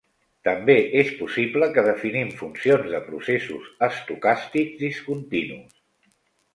També és possible que definim funcions de processos estocàstics discontinus.